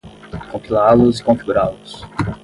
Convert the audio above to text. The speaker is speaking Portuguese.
compilá-los e configurá-los